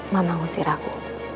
mama ngusir aku